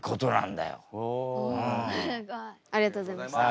すごい。ありがとうございました。